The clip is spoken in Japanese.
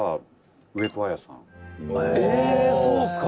そうっすか？」